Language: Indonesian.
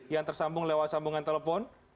yang tersambung lewat sambungan telepon